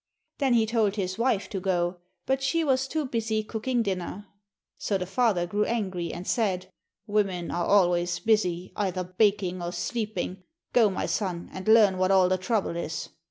Then he told his wife to go, but she was too busy cooking dinner. So the father grew angry, and said: 'Women are always busy either baking or sleeping; go, my son, and learn what all the trouble is.'